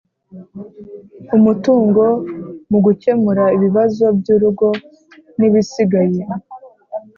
umutungo mu gukemura ibibazo byurugo nibisigaye